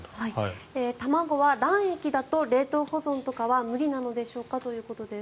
卵は卵液だと冷凍保存とかは無理なのでしょうか？ということです。